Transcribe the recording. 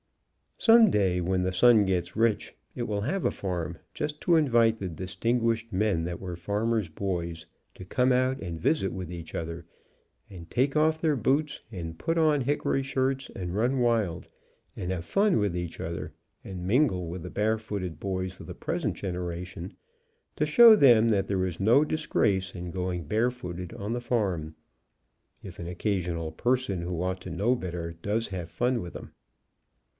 Some day, when The Sun gets rich, it will have a farm, just to invite the distinguished men that were farmers' boys, to come out and visit with each other, and take off their boots and put on hickory shirts, and run wild, and have fun \vith each other, and min gle with the barefooted boys of the present generation, to show them that there is no disgrace in going bare footed on the farm, if an occasional person who ought to know r better does have fun with them.